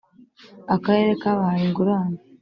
Akarere kabahaye ingurane